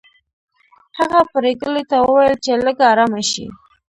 هغه پريګلې ته وویل چې لږه ارامه شي